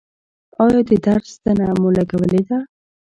ایا د درد ستنه مو لګولې ده؟